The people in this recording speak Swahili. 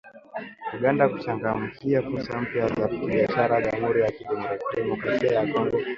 Uganda kuchangamkia fursa mpya za kibiashara Jamhuri ya Kidemokrasia ya Kongo